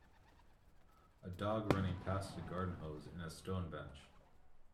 A dog running past a garden hose and a stone bench.